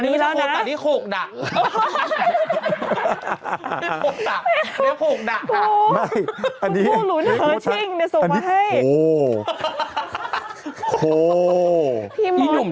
เมื่อกี้นี่มีคนบอกว่าโคตรก็หรือจะสู้เห็นไหม